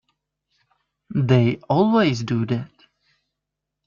They always do that.